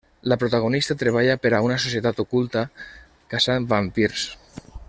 La protagonista treballa per a una societat oculta caçant vampirs.